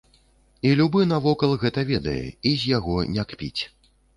І любы навокал гэта ведае і з яго не кпіць.